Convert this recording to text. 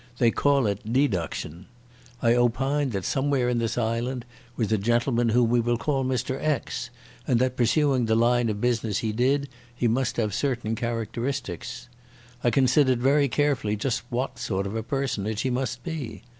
They call it deduction. I opined that somewhere in this island was a gentleman whom we will call Mr X, and that, pursuing the line of business he did, he must have certain characteristics. I considered very carefully just what sort of personage he must be.